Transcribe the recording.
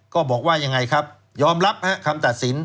ก็บอกว่ายังไงครับยอมรับคำตัดสิน